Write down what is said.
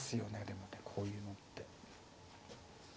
でもねこういうのって。